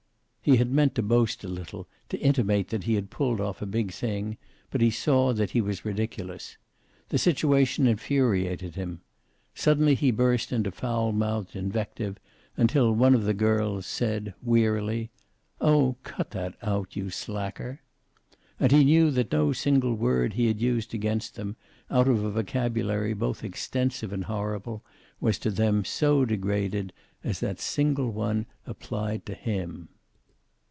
He had meant to boast a little, to intimate that he had pulled off a big thing, but he saw that he was ridiculous. The situation infuriated him. Suddenly he burst into foul mouthed invective, until one of the girls said, wearily, "Oh, cut that out, you slacker." And he knew that no single word he had used against them, out of a vocabulary both extensive and horrible, was to them so degraded as that single one applied to him.